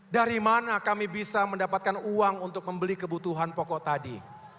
dari mana kami bisa mendapatkan uang untuk membeli kebutuhan pokok tadi